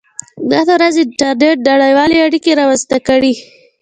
• نن ورځ انټرنېټ نړیوالې اړیکې رامنځته کړې.